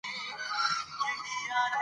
موږ بايد له پيسيزو وسايلو ښه ګټه واخلو.